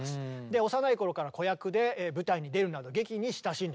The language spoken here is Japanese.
で幼い頃から子役で舞台に出るなど劇に親しんでいたと。